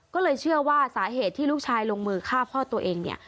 ก็เลยเชื่อว่าสาเหตุที่ลูกชายลงมือฆ่าพ่อตัวเองเนี่ย